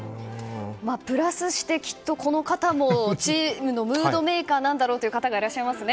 プラスしてきっとこの方もチームのムードメーカーだろう方がいらっしゃいますね。